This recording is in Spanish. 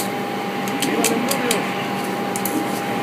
¡Vivan los novios!